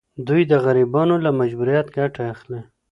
دوی د غریبانو له مجبوریت ګټه اخلي.